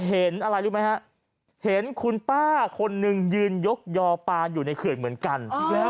เห็นอะไรรู้ไหมฮะเห็นคุณป้าคนนึงยืนยกยอปาอยู่ในเขื่อนเหมือนกัน